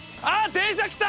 電車来た！